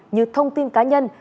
như thông tin cá nhân